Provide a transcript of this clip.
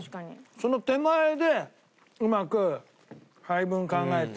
その手前でうまく配分考えて。